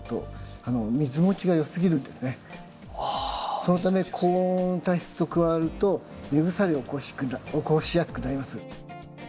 そのため高温多湿と加わると根腐れを起こしやすくなります。